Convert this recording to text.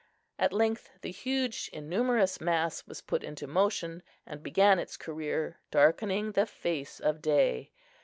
At length the huge innumerous mass was put into motion, and began its career, darkening the face of day.